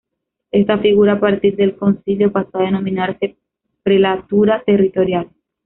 Esta figura, a partir del Concilio, pasó a denominarse prelatura territorial.